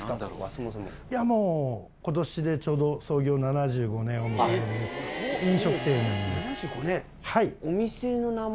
もう今年でちょうど創業７５年を迎える飲食店になります。